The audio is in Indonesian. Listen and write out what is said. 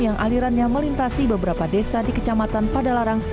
yang alirannya melintasi beberapa desa di kecamatan padalarang